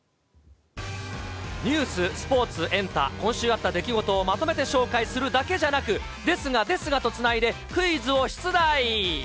ニュース、スポーツ、エンタ、今週あった出来事をまとめて紹介するだけじゃなく、ですが、ですがとつないで、クイズを出題。